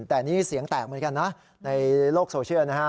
แต่นี่เสียงแตกเหมือนกันนะในโลกโซเชียลนะฮะ